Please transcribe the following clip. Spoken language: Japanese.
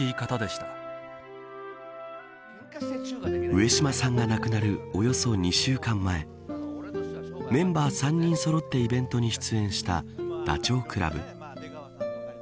上島さんが亡くなるおよそ２週間前メンバー３人そろってイベントに出演したダチョウ倶楽部。